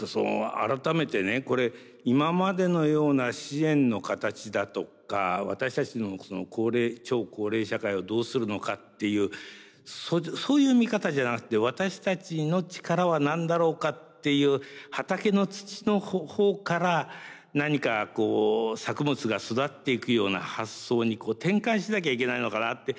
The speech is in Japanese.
改めてねこれ今までのような支援の形だとか私たちの超高齢社会をどうするのかっていうそういう見方じゃなくて私たちの力は何だろうかっていう畑の土の方から何か作物が育っていくような発想に転換しなきゃいけないのかなって。